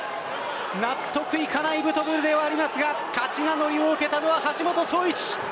納得いかないブトブルではありますが勝ち名乗りを受けたのは橋本壮市！